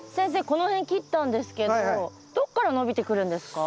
この辺切ったんですけどどっから伸びてくるんですか？